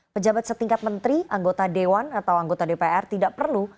pejabat setingkat menteri anggota dewan atau anggota dpr tidak perlu